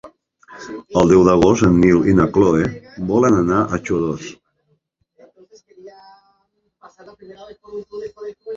El deu d'agost en Nil i na Cloè volen anar a Xodos.